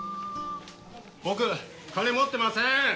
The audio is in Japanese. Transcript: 僕、金持ってません。